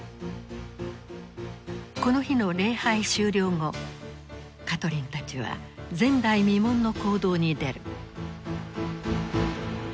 この日の礼拝終了後カトリンたちは前代未聞の行動に出る。